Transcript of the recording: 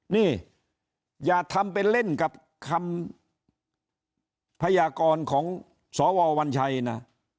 นี่อย่าทำเป็นเล่นกับคำพยากรของสววัญชัยนะ